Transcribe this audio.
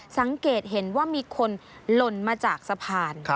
สังเกตเห็นว่ามีคนหล่นมาจากสะพาน